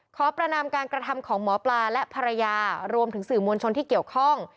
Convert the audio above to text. ขอประนามการกระทำของหมอปลาและภรรยารวมถึงสื่อมวลชนที่เกี่ยวข้อง